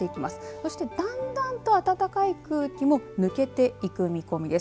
そして、だんだんと暖かい空気も抜けていく見込みです。